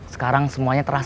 sekarang semuanya terasa manis